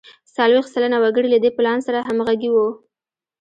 څلوېښت سلنه وګړي له دې پلان سره همغږي وو.